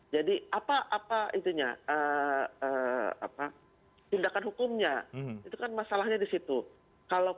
jadi apa apa itunya tindakan hukumnya itu kan masalahnya di situ